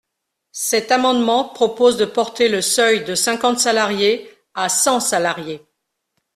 Cet amendement propose de porter le seuil de cinquante salariés à cent salariés.